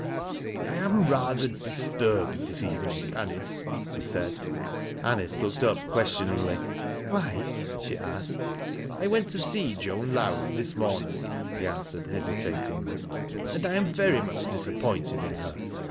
" I am rather disturbed this evening, Anice," he said. Anice looked up questioningly. " Why ?" she asked. " I went to see Joan Lowrie this morning," he answered hesitatingly, " and I am very much disappointed in her.